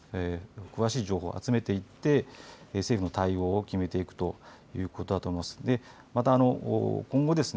詳しい情報を集めていって政府の対応を決めていくということだと思います。